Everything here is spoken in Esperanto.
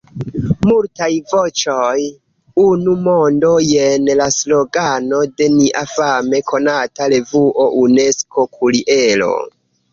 “Multaj voĉoj, unu mondo” – jen la slogano de nia fame konata revuo Unesko-kuriero.